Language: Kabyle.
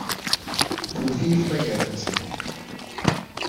Tewwet-iyi tmagart-nsen.